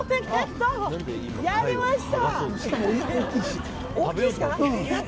やりました！